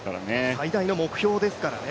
最大の目標ですからね。